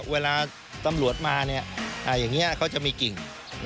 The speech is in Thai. เวลาตำรวจมาอย่างนี้เขาจะมีกิ่ง